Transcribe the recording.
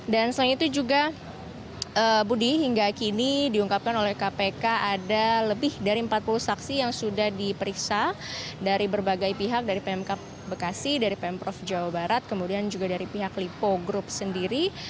dan selain itu juga budi hingga kini diungkapkan oleh kpk ada lebih dari empat puluh saksi yang sudah diperiksa dari berbagai pihak dari pmk bekasi dari pm prof jawa barat kemudian juga dari pihak lipo group sendiri